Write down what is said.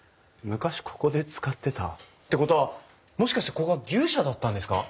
昔ここで使ってた？ってことはもしかしてここは牛舎だったんですか？